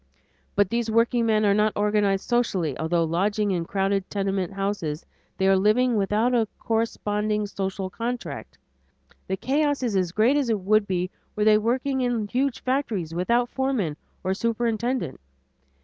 But these workingmen are not organized socially; although lodging in crowded tenement houses, they are living without a corresponding social contact. The chaos is as great as it would be were they working in huge factories without foremen or superintendent.